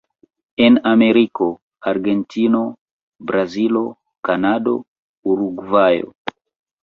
En Ameriko: Argentino, Brazilo, Kanado, Urugvajo.